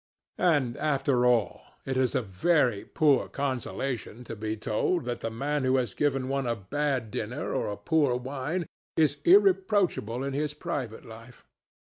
And, after all, it is a very poor consolation to be told that the man who has given one a bad dinner, or poor wine, is irreproachable in his private life.